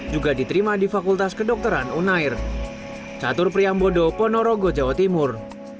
juga diterima di fakultas kedokteran unair